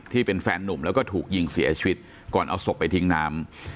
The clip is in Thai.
ที่เป็นแฟนหนุ่มแล้วก็ถูกยิงเสียชีวิตก่อนเอาศพไปทิ้งน้ำ